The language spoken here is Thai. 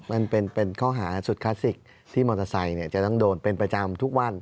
มันเป็นข้อหาสุดคลาสสิกที่มอเตอร์ไซค์จะต้องโดนเป็นประจำทุกวัน